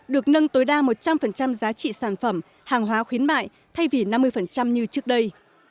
được nâng tối đa một trăm linh giá trị sản phẩm hàng hóa khuyến mại thay vì năm mươi như trước đây